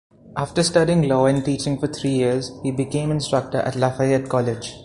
After studying law and teaching for three years, he became instructor at Lafayette College.